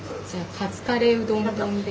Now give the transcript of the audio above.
カツカレーうどん丼で。